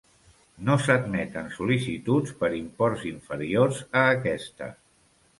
No s'admeten sol·licituds per imports inferiors a aquesta.